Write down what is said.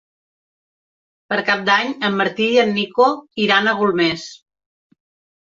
Per Cap d'Any en Martí i en Nico iran a Golmés.